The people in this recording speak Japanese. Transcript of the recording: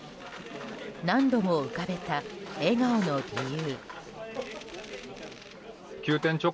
何度も浮かべた笑顔の理由。